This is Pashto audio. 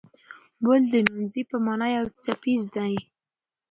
بل د نومځي په مانا یو څپیز دی.